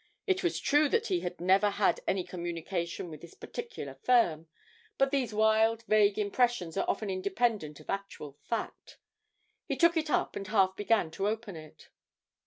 It was true that he had never had any communication with this particular firm, but these wild vague impressions are often independent of actual fact; he took it up and half began to open it.